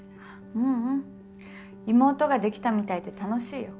ううん妹ができたみたいで楽しいよ。